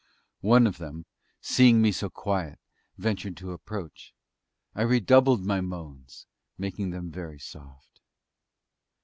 One of them, seeing me so quiet, ventured to approach. I redoubled my moans, making them very soft.